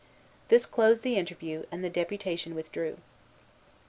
This closed the interview, and the deputation withdrew.